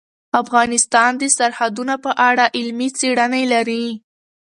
افغانستان د سرحدونه په اړه علمي څېړنې لري.